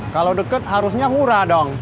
kalau dekat harusnya murah dong